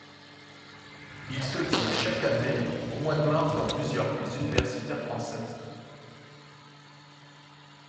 Il se tient chaque année au mois de mars dans plusieurs villes universitaires françaises.